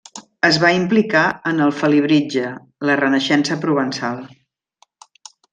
Es va implicar en el Felibritge, la Renaixença provençal.